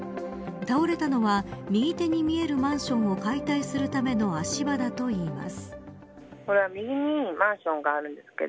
倒れたのは右手に見えるマンションを解体するための足場だといいます。